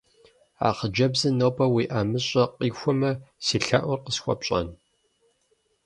А хъыджэбзыр нобэ уи ӀэмыщӀэ къихуэмэ, си лъэӀур къысхуэпщӀэн?